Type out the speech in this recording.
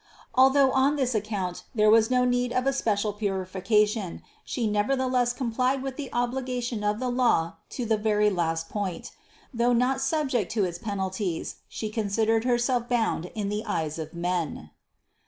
Although on this account there was no need of a special purification, she nevertheless complied with the obligation of the law to the very last point. Though not subject to its penalties, she considered herself bound in the eyes of men.